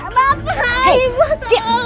bapak ibu tolong